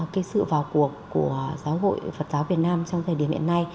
cái sự vào cuộc của giáo hội phật giáo việt nam trong thời điểm hiện nay